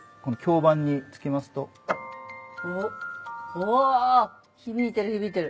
お響いてる響いてる。